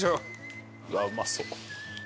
うわっうまそう。